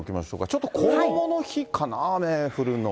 ちょっとこどもの日かな、雨降るのは。